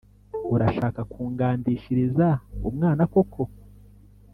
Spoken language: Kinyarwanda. urashaka kungandishiriza umwanakoko